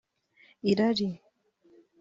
irari